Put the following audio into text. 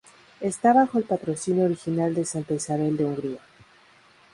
Está bajo el patrocinio original de Santa Isabel de Hungría.